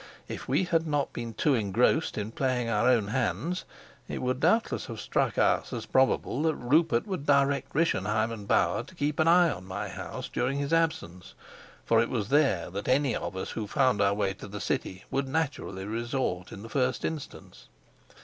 If we had not been too engrossed in playing our own hands, it would doubtless have struck us as probable that Rupert would direct Rischenheim and Bauer to keep an eye on my house during his absence; for it was there that any of us who found our way to the city would naturally resort in the first instance.